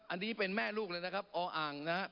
อันนี้เป็นแม่ลูกเลยนะครับออ่างนะครับ